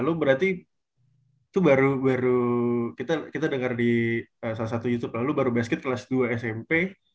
lu berarti itu baru baru kita denger di salah satu youtube lah lu baru basket kelas dua smp